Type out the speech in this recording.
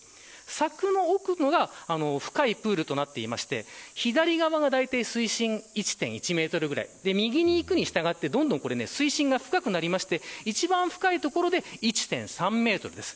柵の奥が深いプールとなっていて左側がだいたい水深１．１メートルぐらい右に行くにしたがって水深がどんどん深くなって一番深いところで１．３メートルです。